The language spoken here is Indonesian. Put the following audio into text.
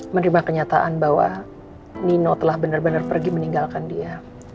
menerima kenyataan bahwa nino telah benar benar pergi meninggalkan dia